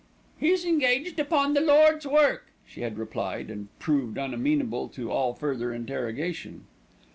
"He's engaged upon the Lord's work," she had replied, and proved unamenable to all further interrogation.